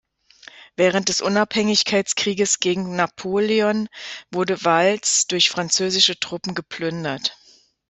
Während des Unabhängigkeitskrieges gegen Napoleon wurde Valls durch französische Truppen geplündert.